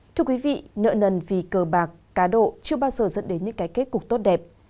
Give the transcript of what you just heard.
thưa quý vị nợ nần vì cờ bạc cá độ chưa bao giờ dẫn đến những cái kết cục tốt đẹp